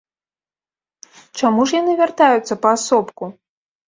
Чаму ж яны вяртаюцца паасобку?